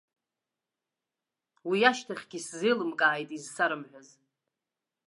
Уи ашьҭахьгьы исзеилымкааит изсарымҳәаз.